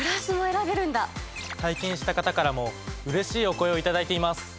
体験した方からもうれしいお声を頂いています。